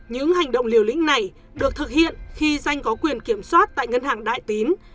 những hành động liều lĩnh này được thực hiện khi danh có quyền kiểm soát tại ngân hàng đại tín